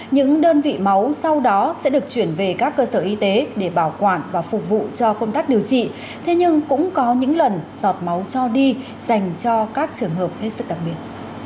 những đơn vị máu sau đó sẽ được chuyển về các cơ sở y tế để bảo quản và phục vụ cho công tác điều trị thế nhưng cũng có những lần giọt máu cho đi dành cho các trường hợp hết sức đặc biệt